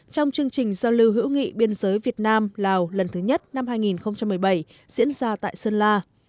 trong chương trình giao lưu hữu nghị biên giới việt nam lào lần thứ nhất năm hai nghìn một mươi bảy diễn ra tại sơn la